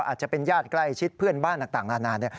อาจจะเป็นญาติใกล้ชิดเพื่อนบ้านต่างนานา